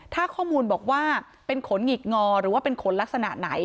ถ้าข้อมูลบอกว่าเป็นขนหงิกงอหรือว่าเป็นขนลักษณะไหน